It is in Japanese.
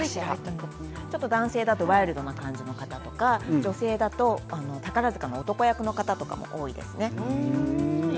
男性だとワイルドな方とか女性だと宝塚の男役の方が多いですね。